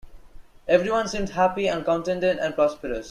Everyone seemed happy and contented and prosperous.